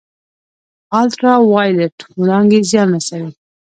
الټرا وایلیټ وړانګې زیان رسوي